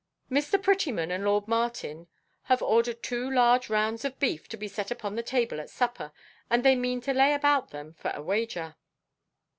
"Mr. Prettyman and lord Martin have ordered two large rounds of beef to be set upon the table at supper, and they mean to lay about them for a wager."